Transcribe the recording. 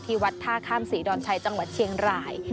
วัดท่าข้ามศรีดอนชัยจังหวัดเชียงราย